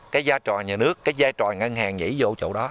cái gia trò nhà nước cái gia trò ngân hàng nhảy vô chỗ đó